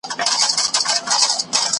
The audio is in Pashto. ځیني اورېدونکي به حتی سرونه ورته وښوروي .